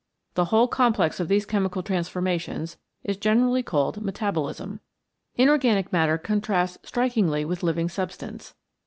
The whole complex of these chemical transforma tions is generally called Metabolism. Inorganic matter contrasts strikingly with living substance.